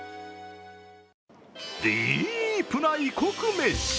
ディープな異国めし。